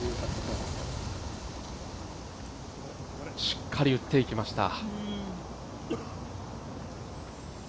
しっかり打っていきました。